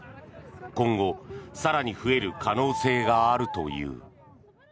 今後、更に増える可能性があるという。